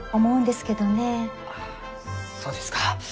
あそうですか。